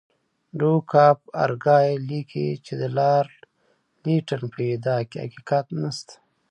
ډوک آف ارګایل لیکي چې د لارډ لیټن په ادعا کې حقیقت نشته.